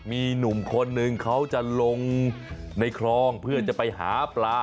มีหนุ่มคนนึงเขาจะลงในคลองเพื่อจะไปหาปลา